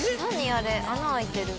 あれ穴開いてる。